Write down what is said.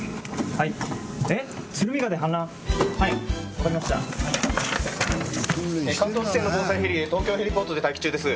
はいはいわかりました関東地整の防災ヘリ東京ヘリポートで待機中です